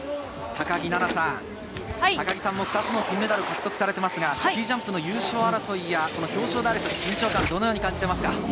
高木菜那さん、２つの金メダルを獲得されていますが、スキージャンプの優勝争いや、表彰台争いの緊張感をどう感じていますか？